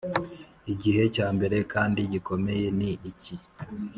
igihe cyambere kandi gikomeye ni iki